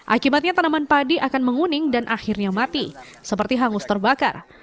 akibatnya tanaman padi akan menguning dan akhirnya mati seperti hangus terbakar